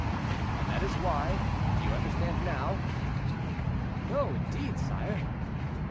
"And that is why—do you understand now?" "No, indeed, sire."